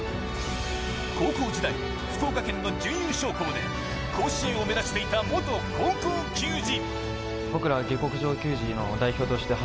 高校時代、福岡県の準優勝校で甲子園を目指していた元高校球児。